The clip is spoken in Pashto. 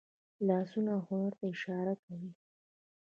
لاسونه هنر ته اشاره کوي